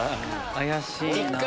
怪しいな。